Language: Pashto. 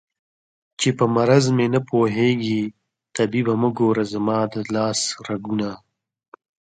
چې په مرض مې نه پوهېږې طبيبه مه ګوره زما د لاس رګونه